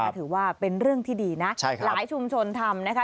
ถือว่าเป็นเรื่องที่ดีนะหลายชุมชนทำนะคะ